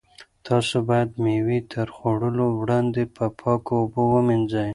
تاسو باید مېوې تر خوړلو وړاندې په پاکو اوبو ومینځئ.